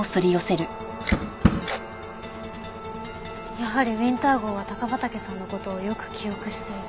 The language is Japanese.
やはりウィンター号は高畠さんの事をよく記憶している。